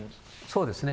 そうですね。